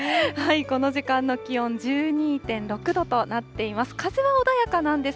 この時間の気温、１２．６度となっています。